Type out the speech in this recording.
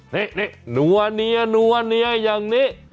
นี่นัวเนียนัวเนียอย่างนี้